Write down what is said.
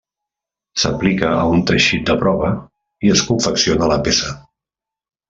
S'aplica a un teixit de prova i es confecciona la peça.